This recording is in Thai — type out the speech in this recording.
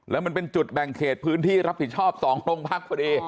แล้วมันเป็นจุดแบ่งเขตพื้นที่รับผิดชอบ๒โรงพักพอดี